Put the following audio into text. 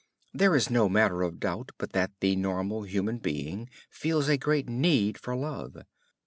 There is no manner of doubt but that the normal human being feels a great need for love.